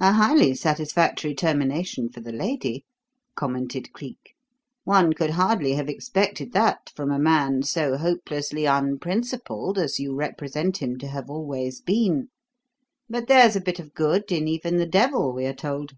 "A highly satisfactory termination for the lady," commented Cleek. "One could hardly have expected that from a man so hopelessly unprincipled as you represent him to have always been. But there's a bit of good in even the devil, we are told."